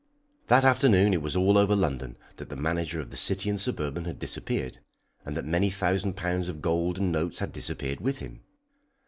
That afternoon it was all over London that the manager of the City and Suburban had disappeared, and that many thousand pounds of gold and notes had disappeared with him.